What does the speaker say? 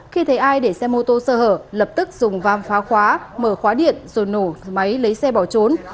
khi thấy ai để xe mô tô sơ hở lập tức dùng vam phá khóa mở khóa điện rồi nổ máy lấy xe bỏ trốn